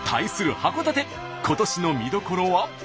函館今年の見どころは。